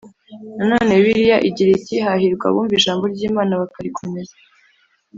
Nanone Bibiliya igira iti hahirwa abumva ijambo ry Imana bakarikomeza